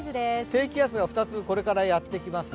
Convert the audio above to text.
低気圧が２つ、これからやってきます。